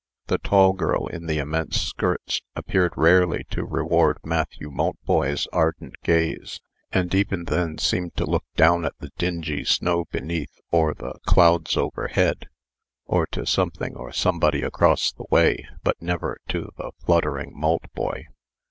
The tall girl in the immense skirts appeared rarely to reward Matthew Maltboy's ardent gaze, and even then seemed to look down at the dingy snow beneath, or the clouds overhead, or to something or somebody across the way, but never to the fluttering Maltboy.